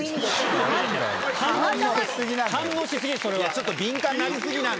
ちょっと敏感になりすぎなんだよ。